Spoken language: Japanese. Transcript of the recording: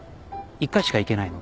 一回しか行けないの？